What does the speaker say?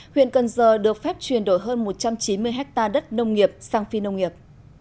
huyện cần giờ được phép chuyển đổi hơn một trăm chín mươi hectare đất nông nghiệp sang phi nông nghiệp